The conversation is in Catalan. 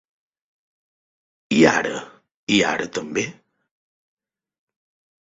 I ara, i ara també.